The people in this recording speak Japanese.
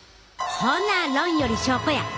ほな「論より証拠」や！